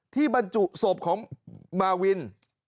บรรจุศพของมาวิน